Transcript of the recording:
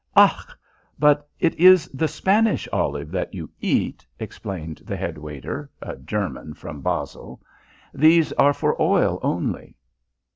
"Ach! But it is the Spanish olive that you eat," explained the head waiter, a German "from Basel." "These are for oil only."